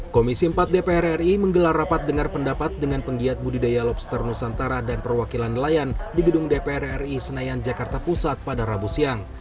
komisi empat dpr ri menggelar rapat dengar pendapat dengan penggiat budidaya lobster nusantara dan perwakilan nelayan di gedung dpr ri senayan jakarta pusat pada rabu siang